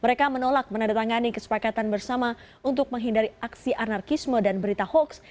mereka menolak menandatangani kesepakatan bersama untuk menghindari aksi anarkisme dan berita hoax